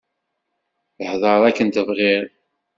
Hder akken tebɣiḍ.